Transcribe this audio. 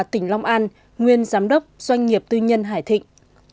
tỉnh long an nguyên giám đốc doanh nghiệp tư nhân hải thịnh